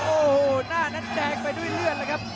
โอ้โหหน้านั้นแดงไปด้วยเลือดเลยครับ